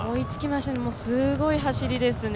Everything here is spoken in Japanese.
すごい走りですね。